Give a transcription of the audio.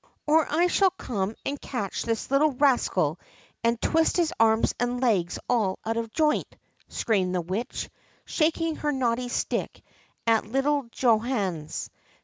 303 Or I shall come and catch this little rascal and twist his arms and legs all out of joint ! screamed the Witchj shaking her knotty stick at little Jo hannes.